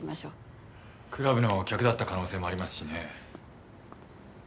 クラブの客だった可能性もありますしね。